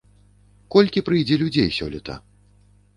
Колькі прыйдзе людзей сёлета?